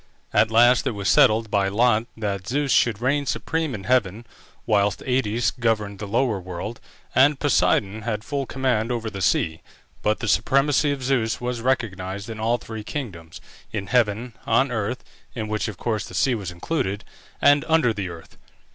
At last it was settled by lot that Zeus should reign supreme in Heaven, whilst Aïdes governed the Lower World, and Poseidon had full command over the Sea, but the supremacy of Zeus was recognized in all three kingdoms, in heaven, on earth (in which of course the sea was included), and under the earth.